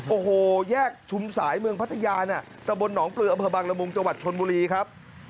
โอ้โหแยกชุมสายเมืองพัทยาน่ะตะบนหนองปลืออำเภอบังละมุงจังหวัดชนบุรีครับ